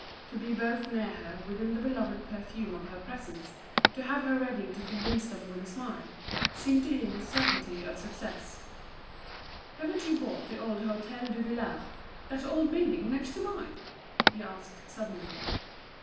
To be both near her within the beloved perfume of her presence, to have her ready to convince them with a smile, seemed to him a certainty of success. "Haven't you bought the old Hôtel Duvillard, that old building next to mine?" he asked suddenly.